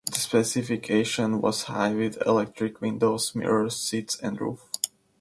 The specification was high, with electric windows, mirrors, seats and roof.